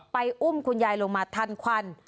อุ้มคุณยายลงมาทันควัน